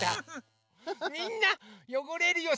みんなよごれるよ。